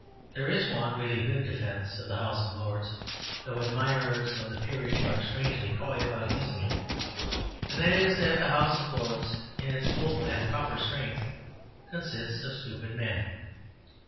There is one really good defence of the House of Lords, though admirers of the peerage are strangely coy about using it; and that is, that the House of Lords, in its full and proper strength, consists of stupid men.